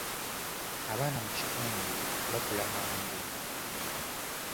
Abaana mu kitundu bakula mangu.